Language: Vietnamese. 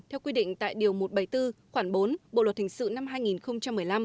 theo quy định tại điều một trăm bảy mươi bốn khoảng bốn bộ luật hình sự năm hai nghìn một mươi năm